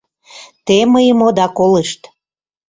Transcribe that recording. Те мыйым ода колышт...